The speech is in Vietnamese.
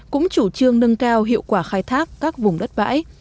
cũng chủ trương nâng cao hiệu quả khai thác các vùng đất bãi